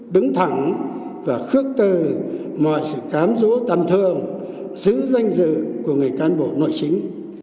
đứng thẳng và khước từ mọi sự khám rũ tầm thương giữ danh dự của người can bộ nội chính